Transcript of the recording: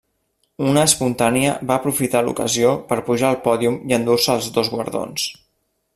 Una espontània va aprofitar l'ocasió per pujar al pòdium i endur-se els dos guardons.